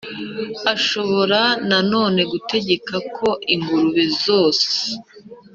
ashobora na none gutegeka ko ingurube zose